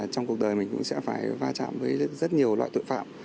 trong cuộc đời mình cũng sẽ phải va chạm với rất nhiều loại tội phạm